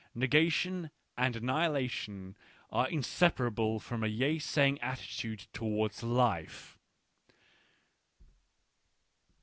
Negation and annihilation are in separable from a yea saying attitude towards life.